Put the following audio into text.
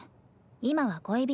今は恋人。